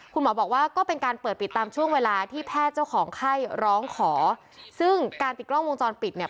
คุณหมอบอกว่าก็เป็นการเปิดปิดตามช่วงเวลาที่แพทย์เจ้าของไข้ร้องขอซึ่งการปิดกล้องวงจรปิดเนี่ย